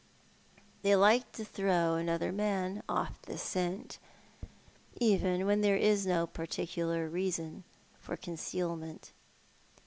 They like to throw anoiher man off the sce nt, even when there is no particular reason for concealment."